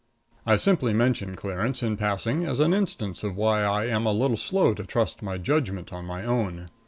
I simply mention Clarence in passing as an instance of why I am a little slow to trust my judgment on my own.